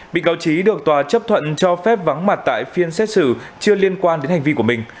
bị cáo trí được tòa chấp thuận cho phép vắng mặt tại phiên xét xử chưa liên quan đến hành vi của mình